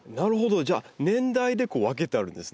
じゃあ年代でこう分けてあるんですね。